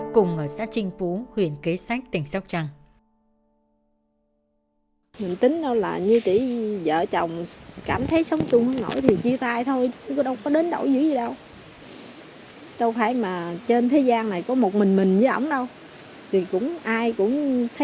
cùng ở xã trinh phú huyện kế sách tỉnh sóc trăng